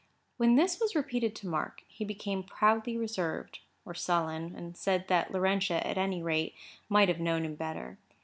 When this was repeated to Mark, he became proudly reserved, or sullen, and said that Laurentia, at any rate, might have known him better.